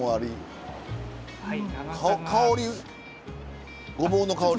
香りごぼうの香り。